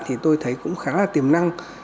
thì tôi thấy cũng khá là tiềm năng